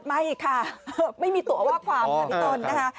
ไม่ค่ะไม่มีตัวว่าความค่ะพี่ต้นนะคะ